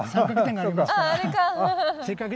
あっあれか。